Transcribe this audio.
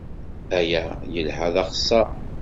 Aya yelha d axeṣṣar.